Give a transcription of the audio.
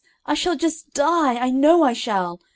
I shall just die, I know I shall!"